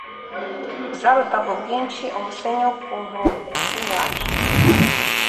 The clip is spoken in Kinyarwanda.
zarutaga ubwinshi umusenyi wo ku nkombe y'inyanja